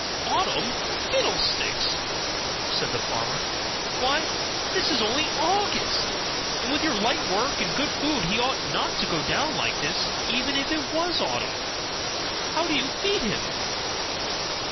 "Autumn, fiddlesticks!" said the farmer. "Why, this is only August; and with your light work and good food he ought not to go down like this, even if it was autumn. How do you feed him?"